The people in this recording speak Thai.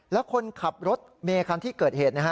และคนขับรถเมคัณที่เกิดเหตุ